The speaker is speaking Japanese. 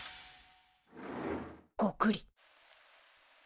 ゴクリ。